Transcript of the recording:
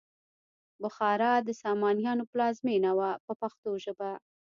بخارا د سامانیانو پلازمینه وه په پښتو ژبه.